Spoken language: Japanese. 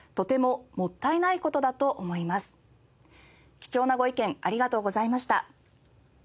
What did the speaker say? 貴重なご意見ありがとうございました。